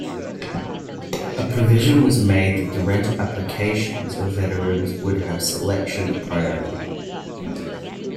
A provision was made that the rental applications of veterans would have selection priority.